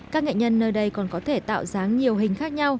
các nghệ nhân nơi đây còn có thể tạo dáng nhiều hình khác nhau